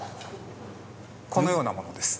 このようなものです。